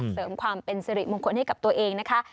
เสริมความเป็นสิริมงคลให้กับตัวเองนะคะ